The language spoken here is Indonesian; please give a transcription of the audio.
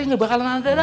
nggak bakalan nanti ada